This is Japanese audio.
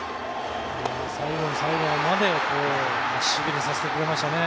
最後の最後までしびれさせてくれましたね